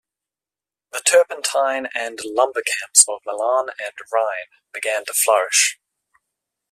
The turpentine and lumber camps of Milan and Rhine began to flourish.